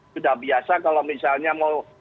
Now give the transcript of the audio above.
sudah biasa kalau misalnya mau